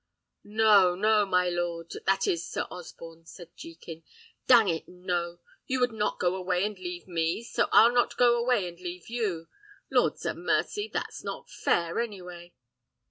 "No, no, my lord that is, Sir Osborne," said Jekin. "Dang it, no! you would not go away and leave me, so I'll not go away and leave you. Lord 'a mercy! that's not fair, any way."